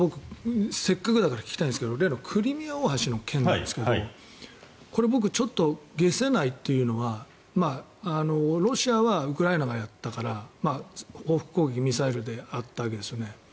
せっかくだから聞きたいんですが例のクリミア大橋の件なんですがこれ、僕ちょっと解せないというのはロシアはウクライナがやったから報復攻撃、ミサイルであったわけですよね。